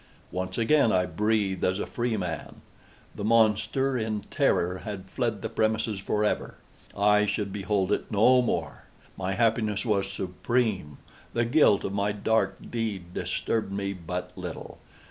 Once again I breathed as a freeman. The monster, in terror, had fled the premises forever! I should behold it no more! My happiness was supreme! The guilt of my dark deed disturbed me but little.